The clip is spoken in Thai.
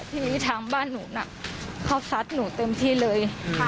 ทีนี้ทางบ้านหนูน่ะเขาซัดหนูเต็มที่เลย